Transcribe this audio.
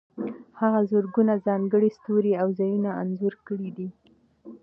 هغه زرګونه ځانګړي ستوري او ځایونه انځور کړي دي.